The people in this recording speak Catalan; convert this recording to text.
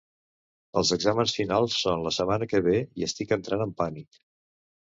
Els exàmens finals són la setmana que ve i estic entrant en pànic.